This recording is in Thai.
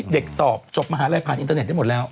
สอบจบมหาลัยผ่านอินเทอร์เน็ตได้หมดแล้ว